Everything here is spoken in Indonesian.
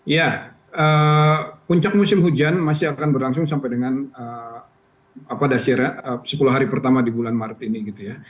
ya puncak musim hujan masih akan berlangsung sampai dengan sepuluh hari pertama di bulan maret ini gitu ya